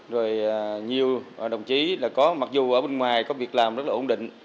rồi nhiều đồng chí là có mặc dù ở bên ngoài có việc làm rất là ổn định